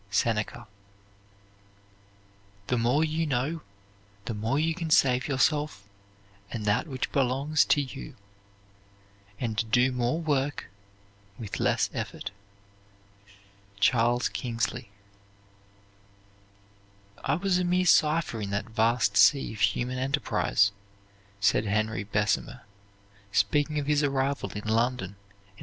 SENECA. The more you know, the more you can save yourself and that which belongs to you, and do more work with less effort. CHARLES KINGSLEY. "I was a mere cipher in that vast sea of human enterprise," said Henry Bessemer, speaking of his arrival in London in 1831.